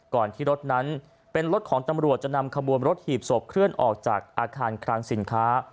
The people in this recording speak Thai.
ที่รถนั้นเป็นรถของตำรวจจะนำขบวนรถหีบศพเคลื่อนออกจากอาคารคลังสินค้า